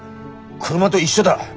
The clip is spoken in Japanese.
車と一緒だ。